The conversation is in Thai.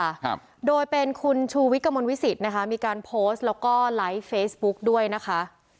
ครับโดยเป็นคุณชูวิทย์กระมวลวิสิตนะคะมีการโพสต์แล้วก็ไลฟ์เฟซบุ๊กด้วยนะคะ